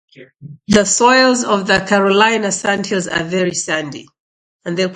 The soils of the Carolina Sandhills are very sandy.